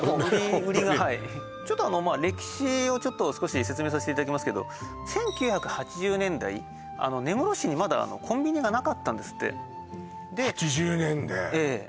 売りがはいちょっと歴史をちょっと少し説明させていただきますけど１９８０年代根室市にまだコンビニがなかったんですって８０年でええ